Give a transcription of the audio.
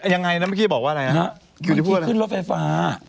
ยังไงนะเมื่อกี้บอกว่าอะไรนะอยู่ที่พูดแล้วตอนนี้ขึ้นรถไฟฟ้า